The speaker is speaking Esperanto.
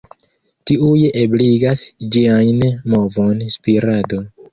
Tiuj ebligas ĝiajn movon, spirado.